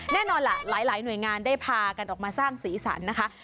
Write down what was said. แน่นอนล่ะหลายหน่วยงานได้พากันออกมาสร้างสีสันนะคะ